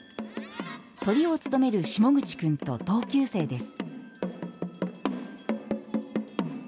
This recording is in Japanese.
トリを務める下口君と同級生です。